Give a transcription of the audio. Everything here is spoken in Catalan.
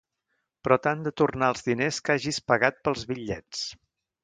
Però t'han de tornar els diners que hagis pagat pels bitllets.